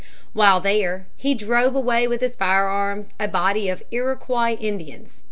While there, he drove away with his firearms a body of Iroquois Indians.